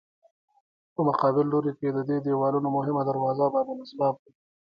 په مقابل لوري کې د دې دیوالونو مهمه دروازه باب الاسباب ده.